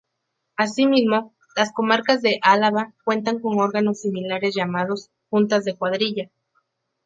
Así mismo, las comarcas de Álava cuentan con órganos similares llamados "juntas de cuadrilla".